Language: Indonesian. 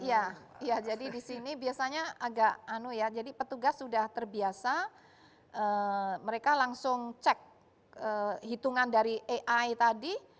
iya jadi di sini biasanya agak anu ya jadi petugas sudah terbiasa mereka langsung cek hitungan dari ai tadi